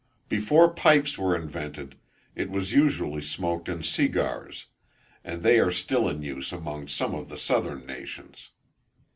Before pipes were invented, it was usually smoked in segars, and they are still in use among some of the southern nations.